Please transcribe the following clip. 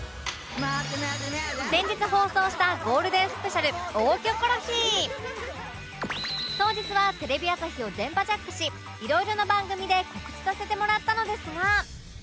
先日放送したゴールデンスペシャル当日はテレビ朝日を電波ジャックしいろいろな番組で告知させてもらったのですが